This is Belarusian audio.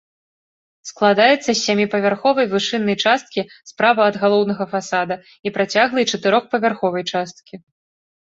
Складаецца з сяміпавярховай вышыннай часткі справа ад галоўнага фасада і працяглай чатырохпавярховай часткі.